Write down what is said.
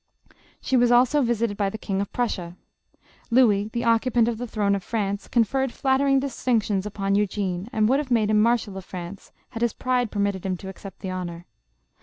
She was also visited by the King of Prussia. Louis, the occupant of the throne of France, conferred flatter ing distinctions upon Eugene, and would have made him marshal of France had his pride permitted him to accept the honor.